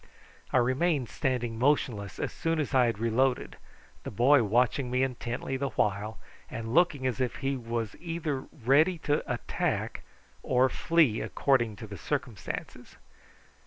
I remained standing motionless as soon as I had reloaded, the boy watching me intently the while and looking as if he was either ready to attack or flee according to circumstances.